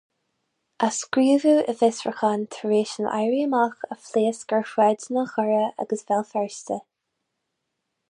A scríobhadh i bhfiosrúchán tar éis an éirí amach a phléasc ar shráideanna Dhoire agus Bhéal Feirste.